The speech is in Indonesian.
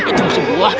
itu musim buah